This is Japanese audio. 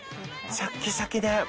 シャッキシャキで。